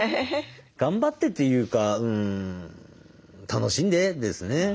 頑張ってっていうか楽しんで！ですね。